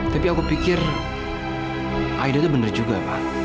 tapi aku pikir aida itu benar juga pak